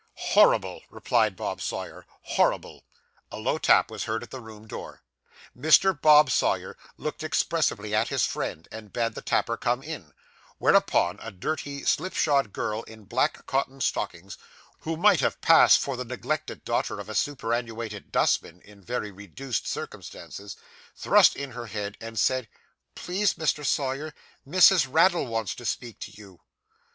'Horrible,' replied Bob Sawyer, 'horrible.' A low tap was heard at the room door. Mr. Bob Sawyer looked expressively at his friend, and bade the tapper come in; whereupon a dirty, slipshod girl in black cotton stockings, who might have passed for the neglected daughter of a superannuated dustman in very reduced circumstances, thrust in her head, and said 'Please, Mister Sawyer, Missis Raddle wants to speak to you.